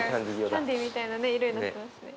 キャンディーみたいな色になってますね。